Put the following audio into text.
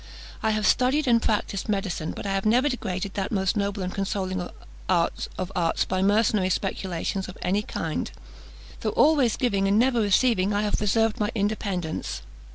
I have studied and practised medicine; but I have never degraded that most noble and most consoling of arts by mercenary speculations of any kind. Though always giving, and never receiving, I have preserved my independence.